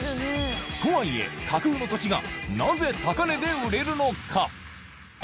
とはいえ、架空の土地がなぜ高値で売れるのか。